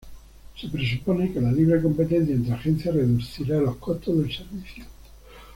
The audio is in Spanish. Se presupone que la libre competencia entre agencias reducirá los costos del servicio.